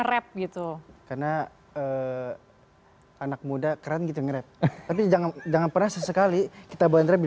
rap gitu karena anak muda keren gitu ngerep tapi jangan jangan pernah sesekali kita bulan rab